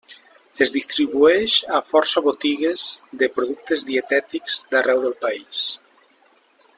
Es distribueix a força botigues de productes dietètics d'arreu del país.